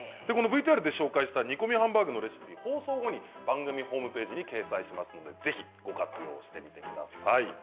ＶＴＲで紹介した煮込みハンバーグのレシピは放送後、番組ホームページに掲載されますので活用してください。